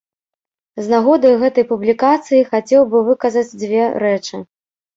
З нагоды гэтай публікацыі хацеў бы выказаць дзве рэчы.